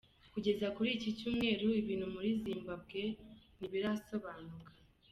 Kugeza kuri iki Cyumweru ibintu muri Zimbabwe ntibirasobanuka.